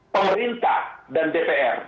pemerintah dan dpr